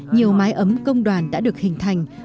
nhiều mái ấm công đoàn đã được hình thành